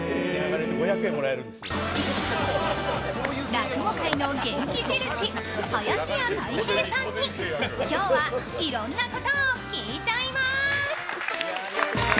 落語界の元気印林家たい平さんに今日は、いろんなことを聞いちゃいます！